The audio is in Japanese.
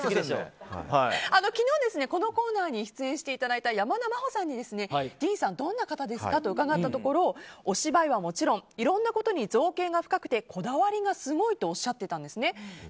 昨日このコーナーに出演していただいた山田真歩さんにディーンさんがどんな方か伺ったんですがお芝居はもちろんいろんなことに造詣が深くてこだわりがすごいとおっしゃってたんです。